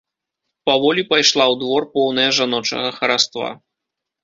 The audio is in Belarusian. Паволі пайшла ў двор, поўная жаночага хараства.